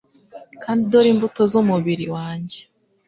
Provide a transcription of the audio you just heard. Kandi dore imbuto z'umubiri wanjye